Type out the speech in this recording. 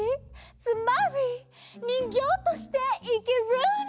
つまりにんぎょうとしていきるの！